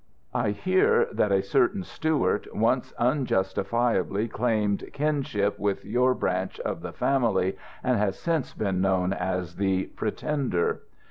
'I hear that a certain Stewart once unjustifiably claimed kinship with your branch of the family and has since been known as the Pretender.'